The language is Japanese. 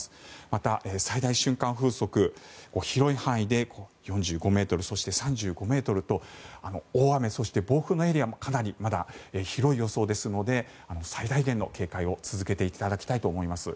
また、最大瞬間風速は広い範囲で４５メートルそして３５メートルと大雨、暴風のエリアもかなり広い予想ですので最大限の警戒を続けていただきたいと思います。